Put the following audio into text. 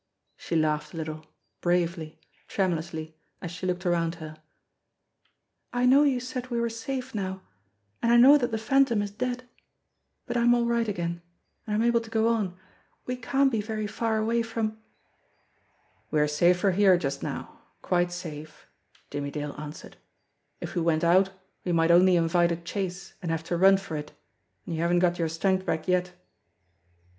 She laughed a little, bravely, tremulously, as she looked around her. "I know you said we were safe now, and I know that the Phantom is dead, but I'm all right again, and I'm able to go on. We can't be very far away from " "We're safer here just now, quite safe," Jimmie Dale an swered. "If we went out we might only invite a chase and have to run for it, and you haven't got your strength back yet.